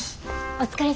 お疲れ。